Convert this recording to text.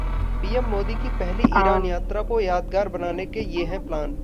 PM Modi की पहली Iran यात्रा को यादगार बनाने के ये हैं प्लान